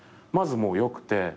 まずもうよくて。